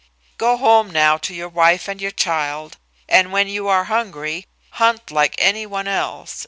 "Go home now to your wife and your child, and when you are hungry hunt like any one else.